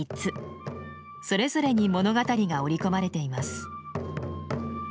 それぞれに物語が織り込まれています。